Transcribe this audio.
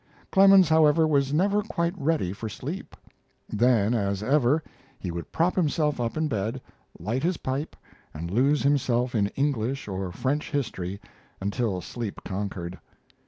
Clemens, however, was never quite ready for sleep. Then, as ever, he would prop himself up in bed, light his pipe, and lose himself in English or French history until sleep conquered.